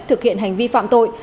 thực hiện hành vi phạm tội